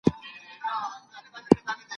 د څښاک پاکي اوبه د هري افغان کورنۍ اړتیا ده.